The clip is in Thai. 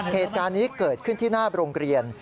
เหตุการณ์นี้เกิดขึ้นที่หน้าโรงเรียน